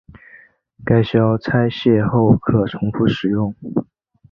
该销拆卸后可重复使用。